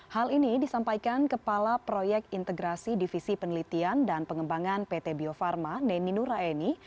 hal ini disampaikan kepala proyek integrasi divisi penelitian dan pengembangan pt bio farma neni nuraini